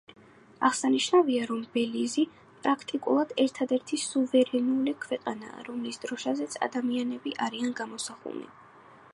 აღსანიშნავია, რომ ბელიზი პრაქტიკულად ერთადერთი სუვერენული ქვეყანაა, რომლის დროშაზეც ადამიანები არიან გამოსახულნი.